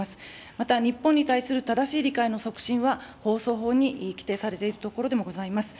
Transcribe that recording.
また、日本に対する正しい理解の促進は、放送法に規定されているところでもございます。